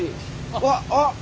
うわっあっ。